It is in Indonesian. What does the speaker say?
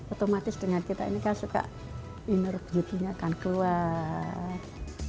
otomatis dengan kita ini kan suka innergy nya akan keluar